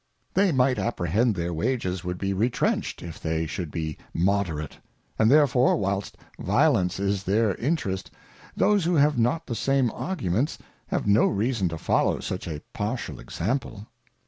They might apprehend their Wages would be retrenched if they should be Moderate : And therefore whilst Violence is their Interest, those who have not the same Arguments, have no reason to foUow such a partial Example.